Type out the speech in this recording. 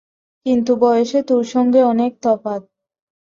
কিন্তু বয়সে তোর সঙ্গে অনেক তফাত।